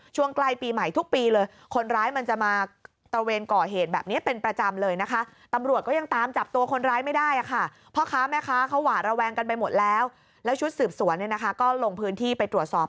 ช่วงใกล้ปีใหม่ทุกปีเลยคนร้ายมันจะมา